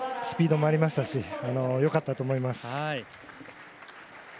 スピードもありましたしよかったと思います。